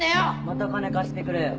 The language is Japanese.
また金貸してくれよ。